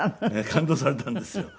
勘当されたんですよ。